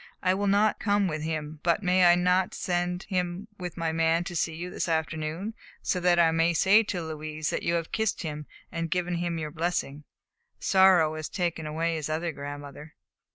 I will not come with him, but may I not send him with my man to see you this afternoon, so that I may say to Louise that you have kissed him and given him your blessing? Sorrow has taken away his other grandmother."